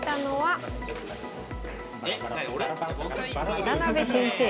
渡辺先生。